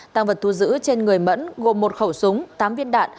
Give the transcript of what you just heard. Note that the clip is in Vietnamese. tăng vật thu giữ trên người mẫn gồm một khẩu súng tám viên đạn